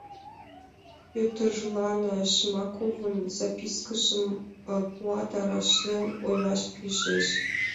Пӧтырлан Жмаковын запискажым пуа да рашлен ойлаш пижеш.